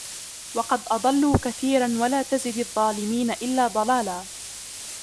وقد أضلوا كثيرا ولا تزد الظالمين إلا ضلالا